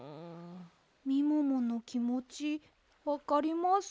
みもものきもちわかります。